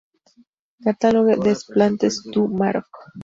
Catalogue des Plantes du Maroc.